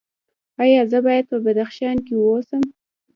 ایا زه باید په بدخشان کې اوسم؟